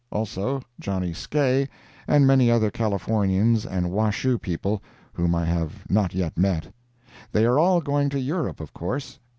Also, Johnny Skae, and many other Californians and Washoe people, whom I have not yet met. They are all going to Europe, of course.